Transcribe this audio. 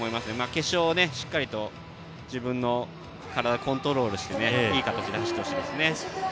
決勝で、しっかり自分の体をコントロールしていい形で走ってほしいですね。